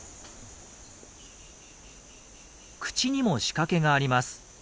口にも仕掛けがあります。